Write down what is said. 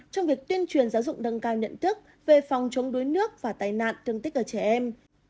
trong việc tuyên truyền giáo dụng đâng cao nhận thức về phòng chống đối nước và tai nạn thương tích cho trẻ em